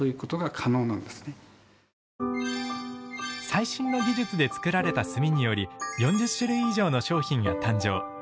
最新の技術で作られた炭により４０種類以上の商品が誕生。